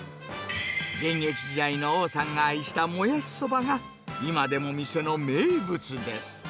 現役時代の王さんが愛したもやしそばが今でも店の名物です。